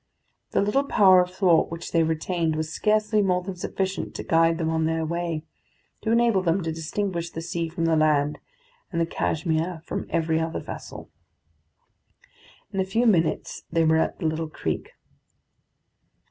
The little power of thought which they retained was scarcely more than sufficient to guide them on their way to enable them to distinguish the sea from the land, and the Cashmere from every other vessel. In a few minutes they were at the little creek.